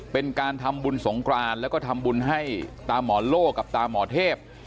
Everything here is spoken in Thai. เป็นการทำบุญสงครานแล้วก็ทำบุญให้ตาหมอโลกกับตาหมอเทพ